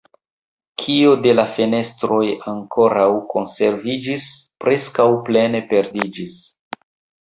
Kio de la fenestroj ankoraŭ konserviĝis, preskaŭ plene perdiĝis.